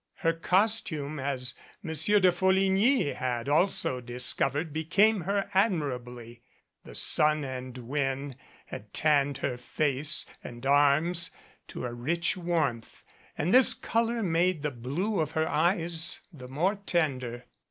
Her costume, as Monsieur de Folligny had also discovered, became her admirably, the sun and wind had tanned her face and arms to a rich warmth, and this color made the blue of her eyes the more tender.